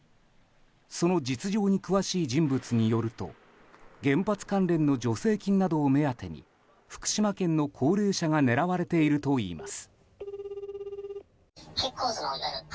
その実情に詳しい人物によると原発関連の助成金などを目当てに福島県の高齢者が狙われているといいます。